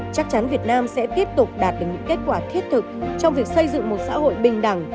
chắc chắn việt nam sẽ tiếp tục đạt được những kết quả thiết thực trong việc xây dựng một xã hội bình đẳng